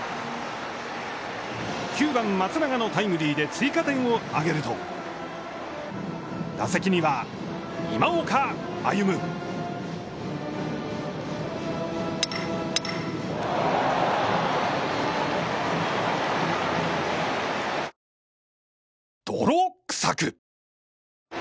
９番松永のタイムリーで追加点を挙げると打席には、今岡歩夢。泥くさく。